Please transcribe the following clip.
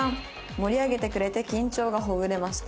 「盛り上げてくれて緊張がほぐれました」。